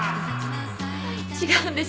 違うんです。